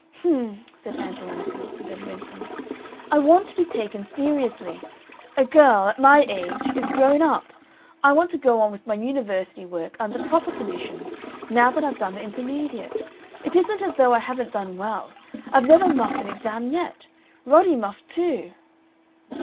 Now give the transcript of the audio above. "H'm!" said Ann Veronica, and then went on "I want to be taken seriously. A girl at my age is grown up. I want to go on with my University work under proper conditions, now that I've done the Intermediate. It isn't as though I haven't done well. I've never muffed an exam yet. Roddy muffed two...."